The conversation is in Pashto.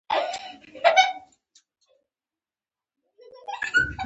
باب لا هم نیمګړۍ پروت دی.